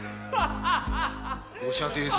ご舎弟様